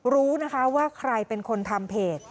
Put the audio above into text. รู้นะคะว่าใครเป็นคนทำเพจ